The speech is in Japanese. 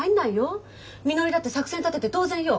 みのりだって作戦立てて当然よ。